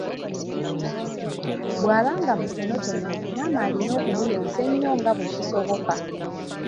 Bw'aba nga mutonotono maama alina okumuyonsa ennyo nga bwe kisoboka.